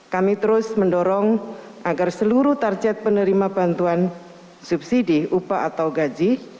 kami terus mendorong agar seluruh target penerima bantuan subsidi upah atau gaji